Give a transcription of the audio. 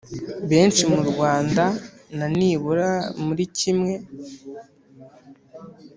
benshi mu Rwanda na nibura muri kimwe